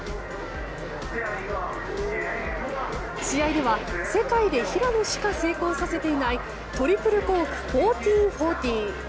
試合では、世界で平野しか成功させていないトリプルコーク１４４０。